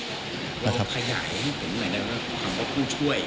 แล้วใครอยากให้เห็นหน่อยนะครับถามว่าผู้ช่วย